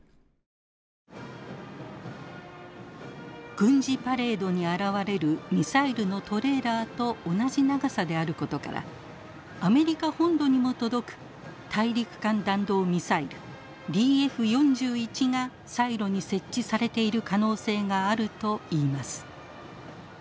軍事パレードに現れるミサイルのトレーラーと同じ長さであることからアメリカ本土にも届く大陸間弾道ミサイルＤＦ４１がサイロに設置されている可能性があるといいます。